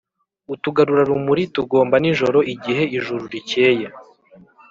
Utugarurarumuri tugomba n'ijoro igihe ijuru rikeye